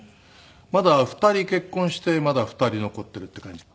まだ２人結婚してまだ２人残っているっていう感じ。